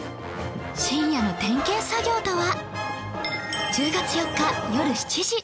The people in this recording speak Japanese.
深夜の点検作業とは？